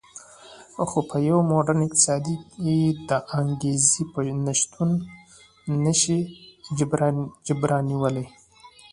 خو په یو موډرن اقتصاد کې د انګېزې نشتون نه شي جبرانولی